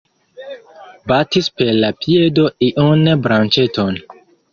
Batis per la piedo iun branĉeton.